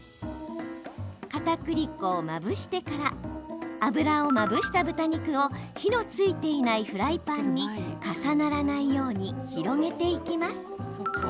かたくり粉をまぶしてから油をまぶした豚肉を火のついてないフライパンに重ならないように広げていきます。